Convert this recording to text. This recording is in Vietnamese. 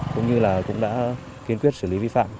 cũng như là cũng đã kiên quyết xử lý vi phạm